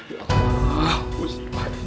ya allah musibah ini